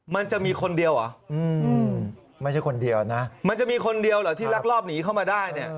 มันจะมีคนเดียวเหรอไม่ใช่คนเดียวนะมันจะมีคนเดียวเหรอที่ลักลอบหนีเข้ามาได้เนี่ย